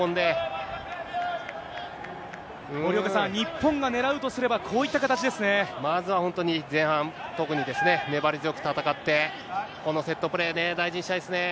森岡さん、日本が狙うとすれまずは本当に、前半、特に粘り強く戦って、このセットプレー、大事にしたいですね。